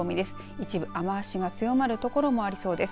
一部、雨足が強まる所もありそうです。